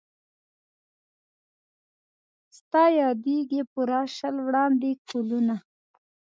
ستا یادیږي پوره شل وړاندي کلونه